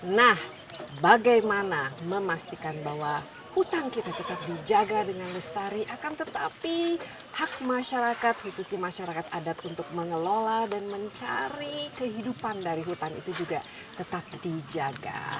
nah bagaimana memastikan bahwa hutan kita tetap dijaga dengan lestari akan tetapi hak masyarakat khususnya masyarakat adat untuk mengelola dan mencari kehidupan dari hutan itu juga tetap dijaga